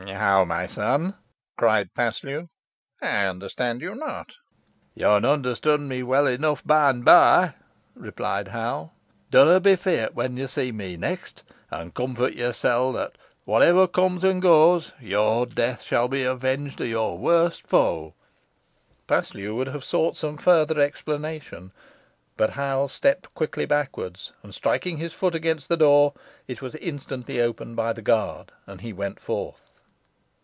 "How, my son!" cried Paslew. "I understand you not." "Yo'n onderstond me weel enough by and by," replied Hal. "Dunnah be feart whon ye see me next; an comfort yoursel that whotever cums and goes, your death shall be avenged o' your warst foe." Paslew would have sought some further explanation, but Hal stepped quickly backwards, and striking his foot against the door, it was instantly opened by the guard, and he went forth.